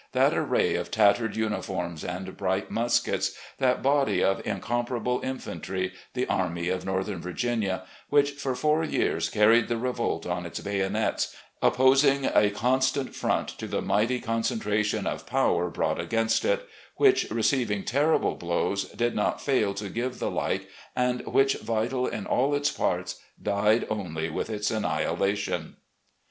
— that array of tattered uniforms and bright muskets — ^that body of incomparable infantry, the Army of Northern Virginia, which, for four years, carried the revolt on its bayonets, opposing a constant front to the mighty con centration of power brought against it; which, receiving terrible blows, did not fail to give the like, and which, vital in all its parts, died only with its annihilation."